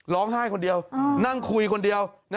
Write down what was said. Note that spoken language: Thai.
ร้องไห้คนเดียวนั่งคุยคนเดียว